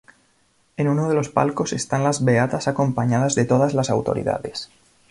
En uno de los palcos están las beatas acompañadas de todas las autoridades.